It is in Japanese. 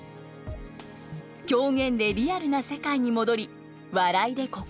狂言でリアルな世界に戻り笑いで心を解きほぐす。